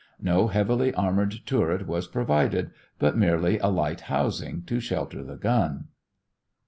No heavily armored turret was provided, but merely a light housing to shelter the gun.